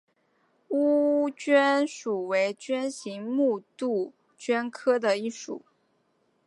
鸦鹃属为鹃形目杜鹃科的一属。